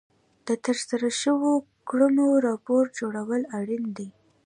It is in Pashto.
د ترسره شوو کړنو راپور جوړول اړین دي.